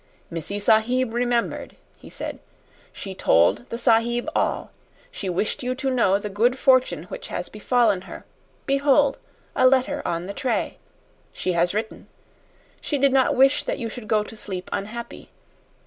"Missee sahib remembered," he said. "She told the sahib all. She wished you to know the good fortune which has befallen her. Behold a letter on the tray. She has written. She did not wish that you should go to sleep unhappy.